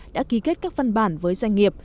đã ký kết các văn bản với doanh nghiệp